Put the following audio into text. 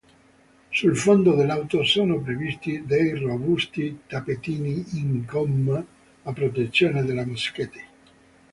Sul fondo dell’auto sono previsti dei robusti tappetini in gomma a protezione della moquette.